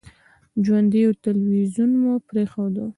ژوندون تلویزیون مو پرېښود.